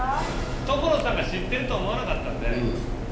所さんが知ってるとは思わなかったんで。